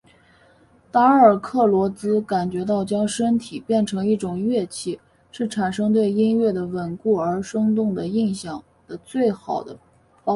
达尔克罗兹感觉到将身体变成一种乐器是产生对音乐的稳固而生动的印象的最好的方法。